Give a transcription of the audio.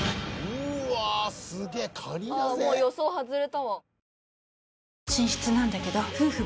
もう予想外れたわ。